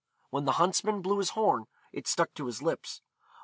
When the huntsman blew his horn, it stuck to his lips.